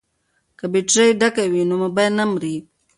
که بیټرۍ ډکه وي نو مبایل نه مري.